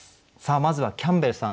まずはキャンベルさん